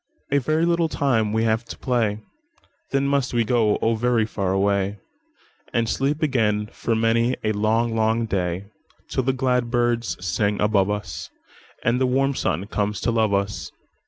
"A very little time we have to play, Then must we go, oh, very far away, And sleep again for many a long, long day, Till the glad birds sing above us, And the warm sun comes to love us.